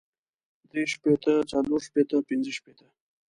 درې شپېته څلور شپېته پنځۀ شپېته